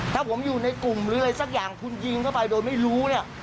ถ้าผมอยู่ในกลุ่มหรืออะไรสักอย่างคุณยิงเข้าไปโดยไม่รู้เนี่ย